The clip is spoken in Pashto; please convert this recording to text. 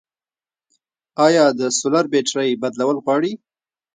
آیا د سولر بیترۍ بدلول غواړي؟